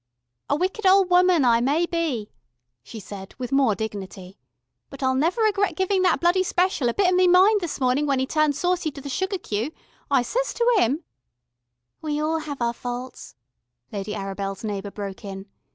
"A wicked ol' woman I may be," she said with more dignity. "But I'll never regret givin' that bloody speshul a bit o' me mind this mornin' when 'e turned saucy to the sugar queue. I ses to 'im " "We all have our faults," Lady Arabel's neighbour broke in.